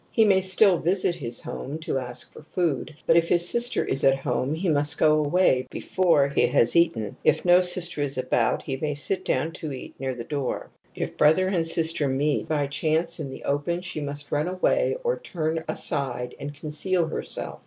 He may still visit his home to ask for food ; but if his sister is at home he must go away before he has eaten ; if no sister is about he may sit down to eat near the door. If brother and sister meet by chance in the open, she rnust rim away or turn aside and conceal herself.